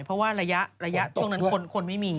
เพราะว่าระยะช่วงนั้นคนไม่มี